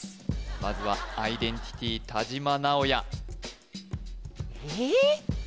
まずはアイデンティティ田島直弥ええっ？